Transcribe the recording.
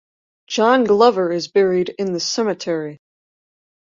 John Glover is buried in the cemetery.